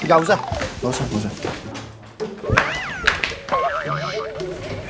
gak usah gak usah